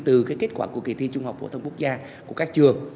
từ kết quả của kỳ thi trung học phổ thông quốc gia của các trường